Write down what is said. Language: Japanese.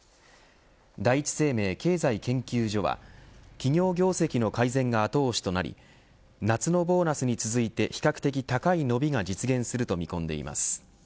第一生命経済研究所は企業業績の改善が後押しとなり夏のボーナスに続いて比較的高い伸びが実現すると見込んでいます。